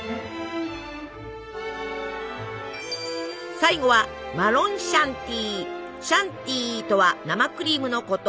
最後は「シャンティイ」とは生クリームのこと。